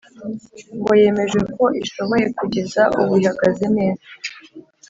ngo yemejwe ko ishoboye Kugeza ubu ihagaze neza